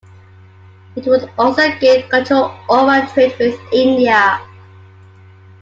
It would also gain control over trade with India.